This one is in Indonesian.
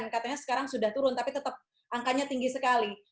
katanya sekarang sudah turun tapi tetap angkanya tinggi sekali